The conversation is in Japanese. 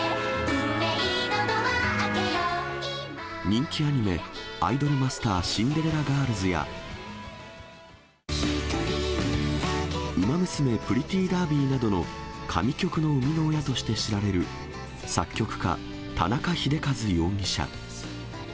人気アニメ、アイドルマスターシンデレラガールズや、ウマ娘プリティーダービーなどの神曲の生みの親として知られる作曲家、田中秀和容疑者。